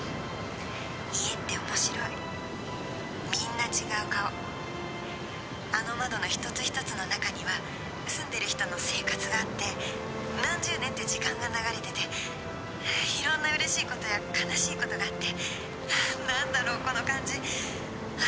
家って面白いみんな違う顔あの窓の一つ一つの中には住んでる人の生活があって何十年って時間が流れてて色んな嬉しいことや悲しいことがあって何だろうこの感じあ